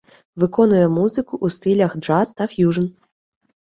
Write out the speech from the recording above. Виконує музику у стилях джаз та ф'южн.